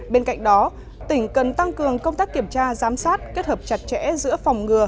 bên cạnh đó tỉnh cần tăng cường công tác kiểm tra giám sát kết hợp chặt chẽ giữa phòng ngừa